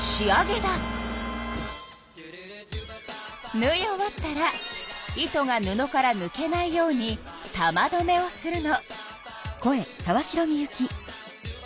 ぬい終わったら糸が布からぬけないように玉どめをするの。